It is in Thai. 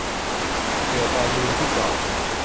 "เบื่อตอนลืมที่จอด"